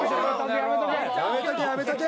やめとけやめとけ。